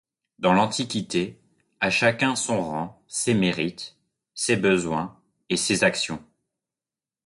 Dans l'Antiquité, à chacun son rang, ses mérites, ses besoins et ses actions.